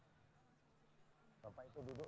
syukur aku sembahkan kehadiran mu